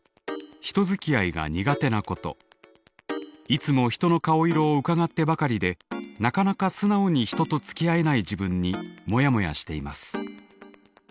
いつも人の顔色をうかがってばかりでなかなか素直に人とつきあえない自分にモヤモヤしています。